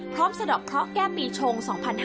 พร้อมเสด็จเพราะแก้ปีชง๒๕๖๐